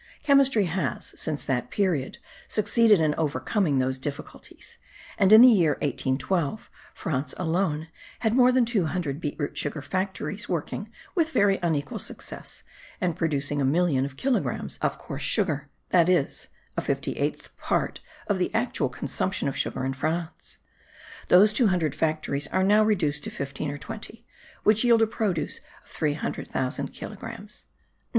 Chemistry has, since that period, succeeded in overcoming those difficulties; and, in the year 1812, France alone had more than two hundred beet root sugar factories working with very unequal success and producing a million of kilogrammes of coarse sugar, that is, a fifty eighth part of the actual consumption of sugar in France. Those two hundred factories are now reduced to fifteen or twenty, which yield a produce of 300,000 kilogrammes.